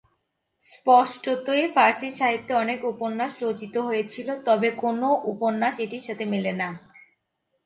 স্পষ্টতই, ফরাসী সাহিত্যে অনেক উপন্যাস রচিত হয়েছিল, তবে কোনও উপন্যাস এটির সাথে মেলে না।